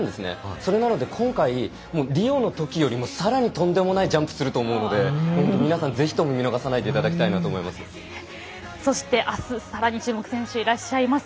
それが今回リオの時よりさらにとんでもないジャンプをすると思うので皆さん、ぜひともそして、あすさらに注目選手いらっしゃいます。